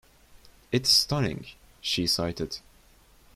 "It's stunning," she cited.